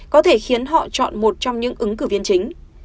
có thể khiến họ chọn một trong những ứng cử viên chính